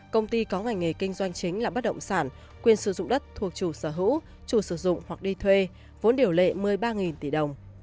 công ty có ngành nghề kinh doanh chính là bất động sản quyền sử dụng đất thuộc chủ sở hữu chủ sử dụng hoặc đi thuê vốn điều lệ một mươi ba tỷ đồng